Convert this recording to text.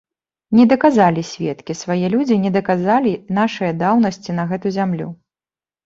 Не даказалі сведкі, свае людзі не даказалі нашае даўнасці на гэту зямлю.